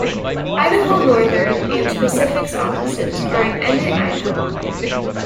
Idaho Northern and Pacific's offices are in Emmett, Idaho.